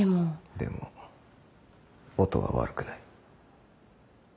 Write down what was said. でも音は悪くない。